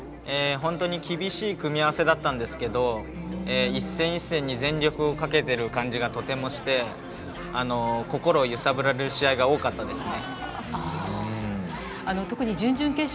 本当に厳しい組み合わせだったんですけれども、一戦一戦に全力をかけてる感じがとてもして、心揺さぶられる試合が多かったですね。